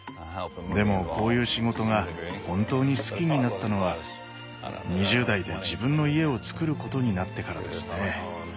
でもこういう仕事が本当に好きになったのは２０代で自分の家をつくることになってからですね。